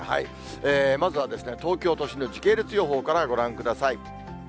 まずは東京都心の時系列予報からご覧ください。